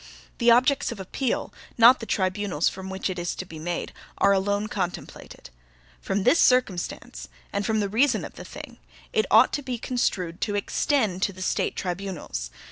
The objects of appeal, not the tribunals from which it is to be made, are alone contemplated. From this circumstance, and from the reason of the thing, it ought to be construed to extend to the State tribunals.